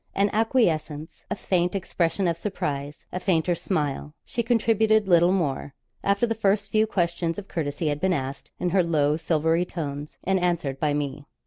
An acquiescence, a faint expression of surprise, a fainter smile she contributed little more, after the first few questions of courtesy had been asked, in her low silvery tones, and answered by me.